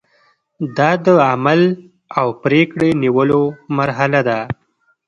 دا د عمل او پریکړې نیولو مرحله ده.